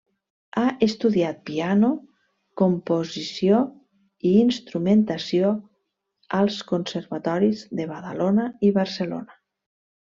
Ha estudiat piano, composició i instrumentació als conservatoris de Badalona i Barcelona.